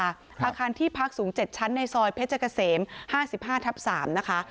อาคารที่พักสูง๗ชั้นในซอยเพชรเกษม๕๕ทับ๓นะคะ